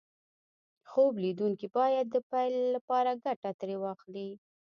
خوب ليدونکي بايد د پيل لپاره ګټه ترې واخلي.